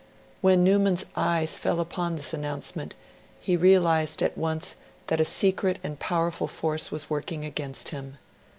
When Newman's eyes fell upon the announcement, he realised at once that a secret and powerful force was working against him.